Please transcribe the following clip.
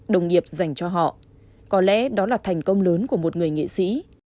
đồng nghiệp dành cho họ có lẽ đó là thành công lớn của một người nghệ sĩ